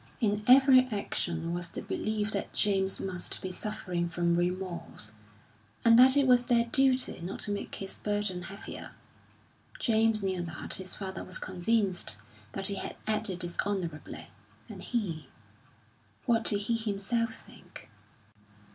In every action was the belief that James must be suffering from remorse, and that it was their duty not to make his burden heavier. James knew that his father was convinced that he had acted dishonourably, and he what did he himself think?